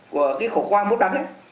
của cái khổ khoa mốt đắng